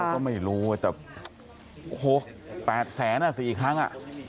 ก็ไม่รู้แต่โห๘แสนอ่ะเดี๋ยวอีกครั้ง